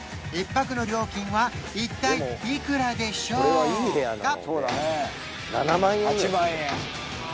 １泊の料金は一体いくらでしょうか？